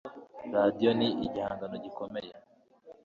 Radio ni igihangano gikomeye